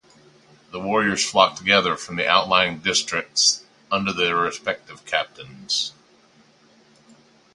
The warriors flocked together from the outlying districts under their respective captains.